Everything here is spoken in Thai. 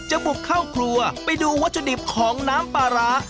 บุกเข้าครัวไปดูวัตถุดิบของน้ำปลาร้า